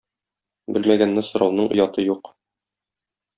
Белмәгәнне сорауның ояты юк.